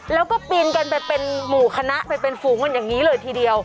แล้วก็ปีนกันไปเป็นหมู่คณะไปเป็นฝูงกันอย่างนี้เลยทีเดียว